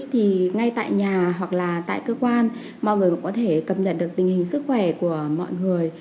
thì ngay tại nhà hoặc là tại cơ quan mọi người cũng có thể cập nhật được tình hình sức khỏe của mọi người